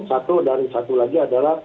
satu dari satu lagi adalah